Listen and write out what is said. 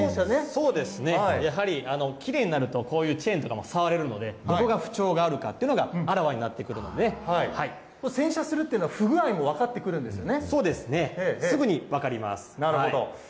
そうですね、やはりきれいになると、こういうチェーンとかも触れるので、どこが不調があるかっていうのが、あらわになってく洗車するっていうのは、不具そうですね、すぐに分かりまなるほど。